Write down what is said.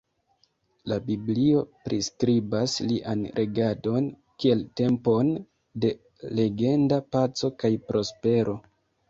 La biblio priskribas lian regadon kiel tempon de legenda paco kaj prospero.